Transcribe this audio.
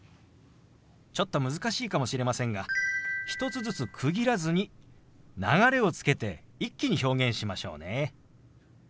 ちょっと難しいかもしれませんが１つずつ区切らずに流れをつけて一気に表現しましょうね。